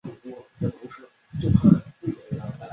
本列表为满洲国驻中华民国历任大使名录。